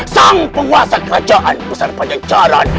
sang penguasa kerajaan besar pajajaran